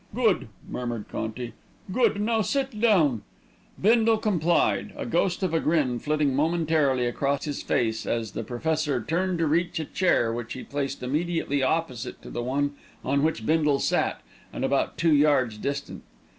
"Good," murmured Conti. "Good! Now sit down." Bindle complied, a ghost of a grin flitting momentarily across his face, as the Professor turned to reach a chair which he placed immediately opposite to the one on which Bindle sat, and about two yards distant.